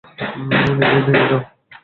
নিজেই নিয়ে যাও।